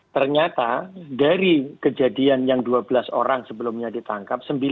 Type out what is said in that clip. ternyata dari kejadian yang dua belas orang sebelumnya ditangkap